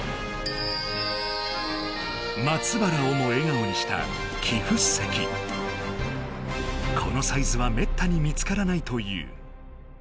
松原をも笑顔にしたこのサイズはめったに見つからないという。